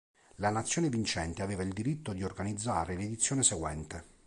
La nazione vincente aveva il diritto di organizzare l'edizione seguente.